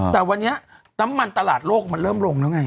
แต่วันนี้น้ำมันตลาดโลกมันเริ่มลงแล้วไง